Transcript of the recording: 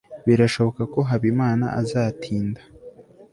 birashoboka ko habimana azatinda